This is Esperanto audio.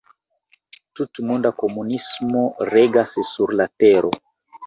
Tutmonda komunismo regas sur la Tero.